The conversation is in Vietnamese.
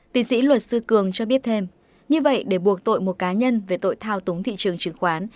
tiến sĩ luật sư cường cho biết thêm như vậy để buộc tội một cá nhân về tội thao túng thị trường chứng khoán